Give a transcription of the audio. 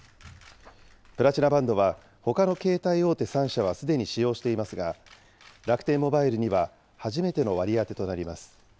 プラチナバンドは、ほかの携帯電話３社はすでに使用していますが、楽天モバイルには初めての割り当てとなります。